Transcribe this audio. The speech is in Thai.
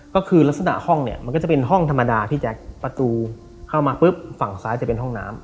ก็คือลักษณะห้องเนี่ยมันก็จะเป็นห้องธรรมดาพี่แจ๊คประตูเข้ามาปุ๊บฝั่งซ้ายจะเป็นห้องน้ำ